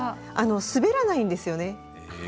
滑らないんですよね。